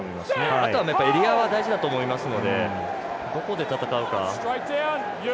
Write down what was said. あとはエリアは大事だと思いますのでどこで戦うか。